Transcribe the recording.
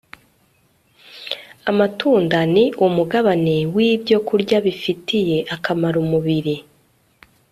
Amatunda ni Umugabane wIbyokurya Bifitiye Akamaro Umubiri